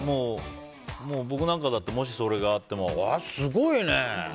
もう僕なんかだったらもし、それがあってもすごいね！